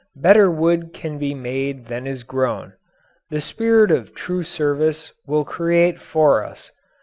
Better wood can be made than is grown. The spirit of true service will create for us.